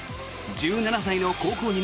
１７歳の高校２